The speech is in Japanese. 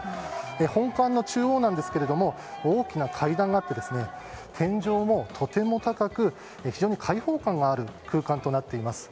本館の中央なんですが大きな階段があって天井もとても高く非常に開放感がある空間となっています。